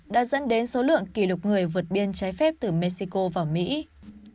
đã dẫn đến số lượng kỷ lục người vượt biên trái phép từ mexico vào mùa xuân